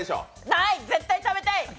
ない、絶対食べたい！